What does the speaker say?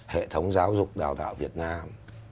hệ thống giáo dục đào tạo việt nam